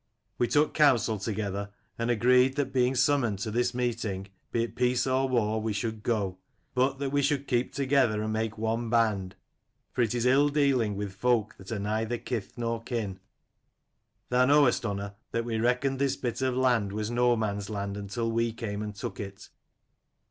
We took counsel together, and agreed that being summoned to this meeting, be it peace or war, we should go : but that we should keep together and make one band, for it is ill dealing with folk that are neither kith nor kin. 20 " Thou knowest, Unna, that we reckoned this bit of land was no man's land until we came and took it.